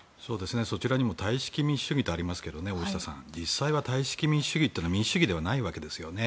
そちらにもタイ式民主主義とありますが実際はタイ式民主主義は民主主義ではないわけですよね。